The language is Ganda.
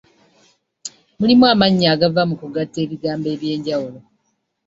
Mulimu amannya agava mu kugatta ebigambo eby’enjawulo.